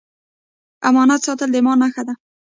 امانت ساتل د ایمان نښه ده